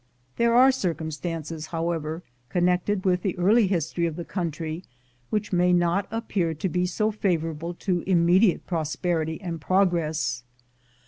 There are circumstances, however, connected with the early history of the country which may not appear to be so favorable to immediate prosperity and progress.